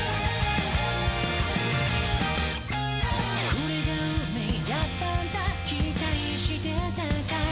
「これが運命だったんだ、期待してたかい？」